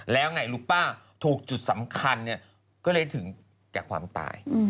แล้วไงรู้ป่ะถูกจุดสำคัญก็เลยถึงแก่ความตาย